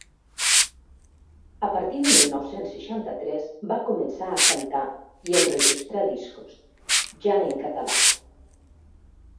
A partir del mil nou-cents seixanta-tres va començar a cantar i enregistrar discos, ja en català.